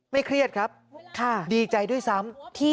เครียดครับดีใจด้วยซ้ำ